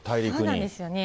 そうなんですよね。